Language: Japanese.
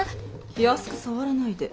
気安く触らないで。